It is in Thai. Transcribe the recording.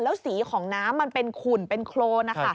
แล้วสีของน้ำมันเป็นขุ่นเป็นโครน